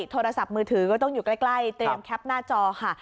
โทรศัพท์มือถือก็ต้องอยู่ใกล้เตรียมแคปหน้าจอค่ะ